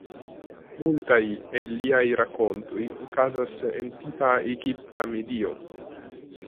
Multaj el liaj rakontoj okazas en tipa egipta medio.